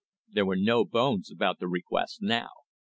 There were no bones about the request now.